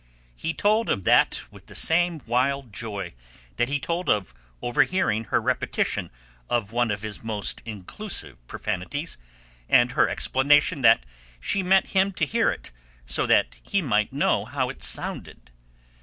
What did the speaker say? He told of that with the same wild joy that he told of overhearing her repetition of one of his most inclusive profanities, and her explanation that she meant him to hear it so that he might know how it sounded.